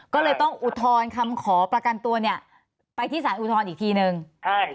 ก็เลยต้องอุทธรณ์คำขอประกันตัวเนี่ยไปที่สารอุทธรณ์อีกทีนึงใช่